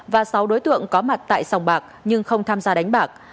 và sáu đối tượng có mặt tại sòng bạc nhưng không tham gia đánh bạc